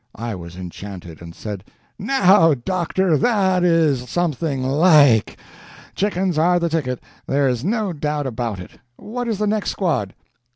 I was enchanted, and said: "Now, doctor, that is something like! Chickens are the ticket, there is no doubt about it. What is the next squad?"